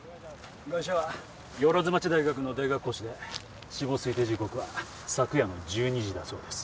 ガイシャは万町大学の大学講師で死亡推定時刻は昨夜の１２時だそうです。